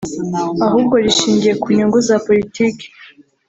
ahubwo rishingiye ku nyungu za politiki